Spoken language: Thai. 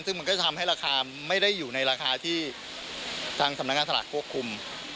ซึ่งมันก็จะทำให้ราคาไม่ได้อยู่ในราคาที่ทางสำนักงานสลากควบคุม